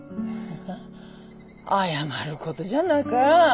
謝ることじゃなか。